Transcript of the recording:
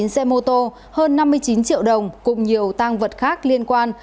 hai mươi chín xe mô tô hơn năm mươi chín triệu đồng cùng nhiều tăng vật khác liên quan